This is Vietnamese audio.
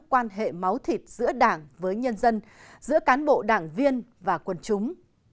quan hệ máu thịt giữa đảng với nhân dân giữa cán bộ đảng viên và quần chúng